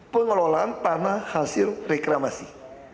pengelolaan tanah hasil reklamasi